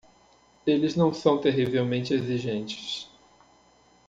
Eles não são terrivelmente exigentes.